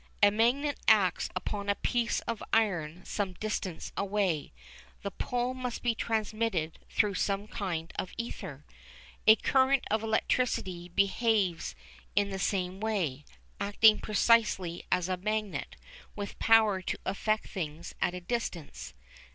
A magnet acts upon a piece of iron some distance away. The pull must be transmitted through some kind of ether. A current of electricity behaves in the same way, acting precisely as a magnet, with power to affect things at a distance.